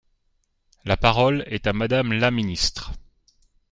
La parole est à Madame la ministre.